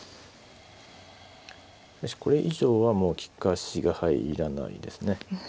これ以上はもう利かしが入らないですね。